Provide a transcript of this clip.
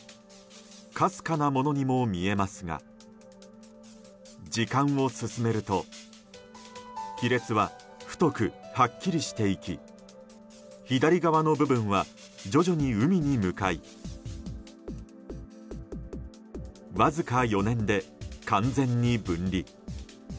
かすかなものにも見えますが時間を進めると亀裂は、太くはっきりしていき左側の部分は、徐々に海に向かいわずか４年で完全に分離。